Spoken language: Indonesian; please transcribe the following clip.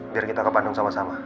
biar kita ke bandung sama sama